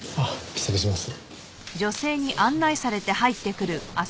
失礼します。